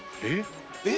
えっ？